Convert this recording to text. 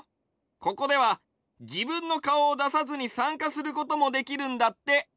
ここではじぶんのかおをださずにさんかすることもできるんだって。